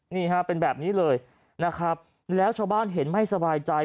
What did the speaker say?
นี่ฮะเป็นแบบนี้เลยนะครับแล้วชาวบ้านเห็นไม่สบายใจ